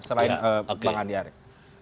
selain bang andi arief